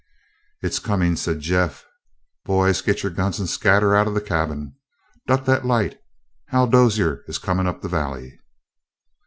"It's comin'," said Jeff. "Boys, get your guns and scatter out of the cabin. Duck that light! Hal Dozier is comin' up the valley."